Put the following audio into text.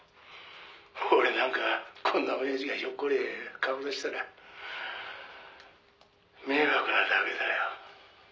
「俺なんかこんな親父がひょっこり顔出したら迷惑なだけだよ」